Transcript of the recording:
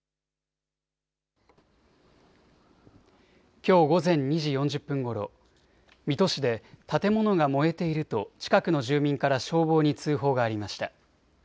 きょう午前２時４０分ごろ、水戸市で建物が燃えていると近くの住民から消防に通報がありました。